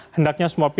hendaknya semua berbeda